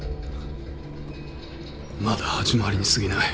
まだ始まりにすぎない。